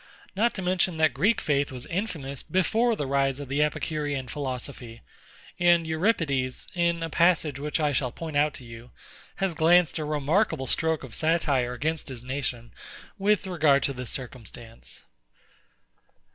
Not to mention that Greek faith was infamous before the rise of the Epicurean philosophy; and EURIPIDES [Iphigenia in Tauride], in a passage which I shall point out to you, has glanced a remarkable stroke of satire against his nation, with regard to this circumstance.